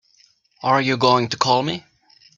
Are you going to call me?